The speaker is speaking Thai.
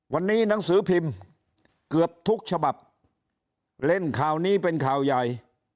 วันนี้หนังสือพิมพ์เกือบทุกฉบับเล่นข่าวนี้เป็นข่าวใหญ่